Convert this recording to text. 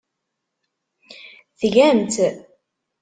Tgam-tt.